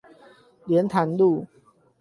蓮潭路